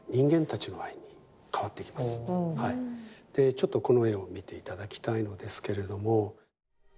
ちょっとこの絵を見て頂きたいのですけれども。